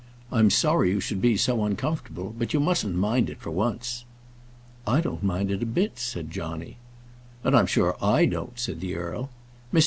I am sorry you should be so uncomfortable, but you mustn't mind it for once." "I don't mind it a bit," said Johnny. "And I'm sure I don't," said the earl. "Mr.